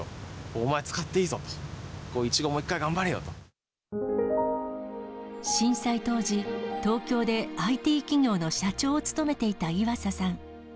お前使っていいぞ、震災当時、東京でＩＴ企業の社長を務めていた岩佐さん。